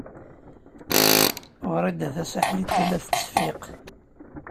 Wrida Tasaḥlit tella tettseffiq.